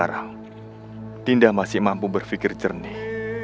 sekarang dinda masih mampu berpikir jernih